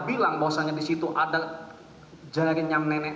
bilang bahwasannya di situ ada jaringan yang nenek